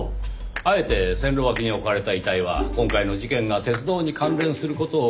あえて線路脇に置かれた遺体は今回の事件が鉄道に関連する事を示していたんです。